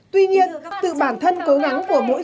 tuy nhiên từ bản thân cố gắng của mỗi doanh nghiệp